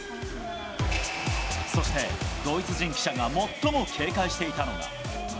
そしてドイツ人記者が最も警戒していたのが。